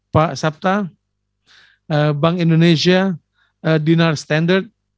bank sabta bank indonesia dinar standard